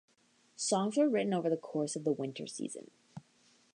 Songs were written over the course of the winter season.